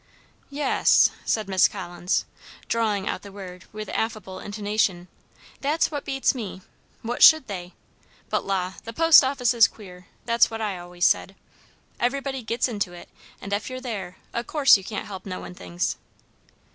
"Yes, " said Miss Collins, drawing out the word with affable intonation, "that's what beats me. What should they? But la! the post office is queer; that's what I always said. Everybody gits into it; and ef you're there, o' course you can't help knowin' things."